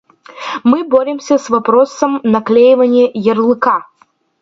Мы боремся с вопросом наклеивания ярлыка.